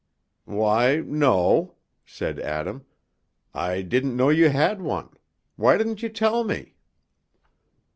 "Why, no," said Adam, "I didn't know you had one; why didn't you tell me?"